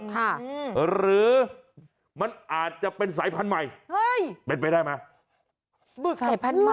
ค่ะหรือมันอาจจะเป็นสายพันธุ์ใหม่เฮ้ยเป็นไปได้ไหม